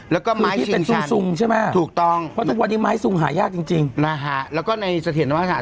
แล้วก็ไม้ชิงชันถูกต้องเพราะวันนี้ไม้สุงหายากจริงนะฮะแล้วก็ในเสถียรธรรมศาสตร์